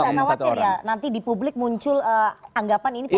itu karena waktu ya nanti di publik muncul anggapan ini